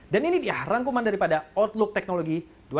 dan ini dia rangkuman daripada outlook teknologi dua ribu dua puluh empat